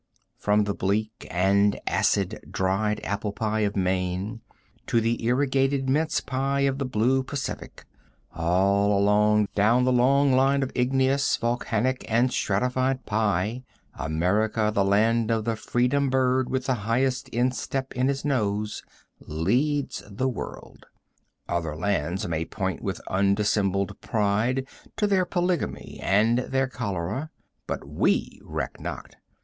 From the bleak and acid dried apple pie of Maine to the irrigated mince pie of the blue Pacific, all along down the long line of igneous, volcanic and stratified pie, America, the land of the freedom bird with the high instep to his nose, leads the world. Other lands may point with undissembled pride to their polygamy and their cholera, but we reck not.